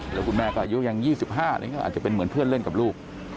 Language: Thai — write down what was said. แล้วคุณแม่ก็อายุยัง๒๕นี่ก็อาจจะเป็นเหมือนเพื่อนเล่นกับลูก